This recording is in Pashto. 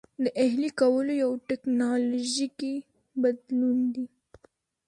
د اهلي کولو یو ټکنالوژیکي بدلون دی.